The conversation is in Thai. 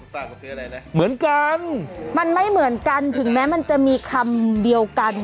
ฝากมาซื้ออะไรนะเหมือนกันมันไม่เหมือนกันถึงแม้มันจะมีคำเดียวกัน